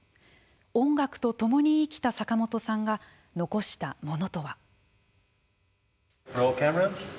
音楽と共に生きた坂本さんが残したものとは。